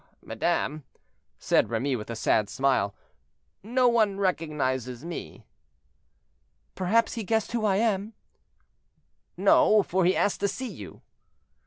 madame," said Remy, with a sad smile, "no one recognizes me." "Perhaps he guesses who I am?" "No, for he asked to see you."